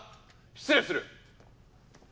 失礼する！